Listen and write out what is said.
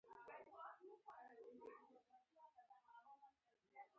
انقباض د یو جسم د حجم لږوالی دی.